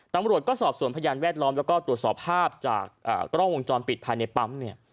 ตำรวจก็สอบส่วนพยานแวดล้อมแล้วก็ตรวจสอบภาพจากกล้องวงจรปิดภายในปั๊มเนี่ย